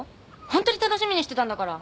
ホントに楽しみにしてたんだから。